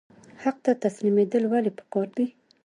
حق ته تسلیمیدل ولې پکار دي؟